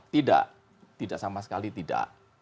tidak tidak sama sekali tidak